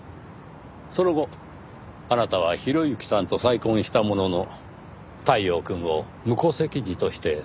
その後あなたは博幸さんと再婚したものの太陽くんを無戸籍児として育てました。